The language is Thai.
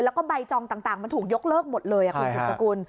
แล้วก็ใบจองต่างมันถูกยกเลิกหมดเลยคุณสุดสกุล